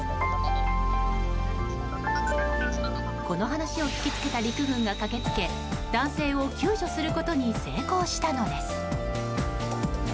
この話を聞きつけた陸軍が駆け付け男性を救助することに成功したのです。